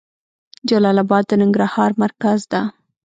جلال اباد د ننګرهار مرکز ده.